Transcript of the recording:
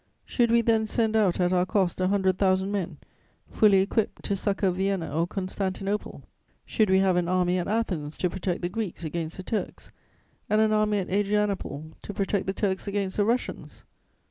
Should we then send out at our cost a hundred thousand men, fully equipped, to succour Vienna or Constantinople? Should we have an army at Athens to protect the Greeks against the Turks, and an army at Adrianople to protect the Turks against the Russians?